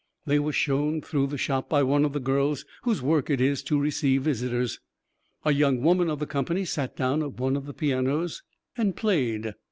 They were shown through the Shop by one of the girls whose work it is to receive visitors. A young woman of the company sat down at one of the pianos and played.